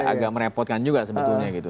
agak merepotkan juga sebetulnya gitu